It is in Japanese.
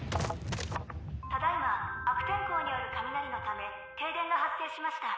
ただいま悪天候による雷のため停電が発生しました